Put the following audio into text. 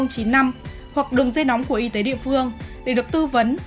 hoặc đường dây nóng của y tế địa phương để được tư vấn